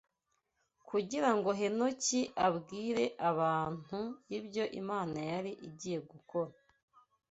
kugira ngo Henoki abwire abantu ibyo Imana yari igiye gukora